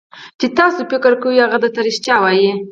چې تاسو فکر کوئ هغه درته رښتیا وایي.